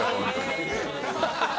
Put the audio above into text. ハハハハ！